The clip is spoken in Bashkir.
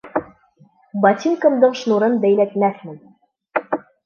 Ботинкамдың шнурын бәйләтмәҫмен.